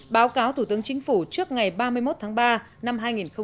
báo cáo thủ tướng chính phủ trước ngày ba mươi một tháng ba năm hai nghìn một mươi tám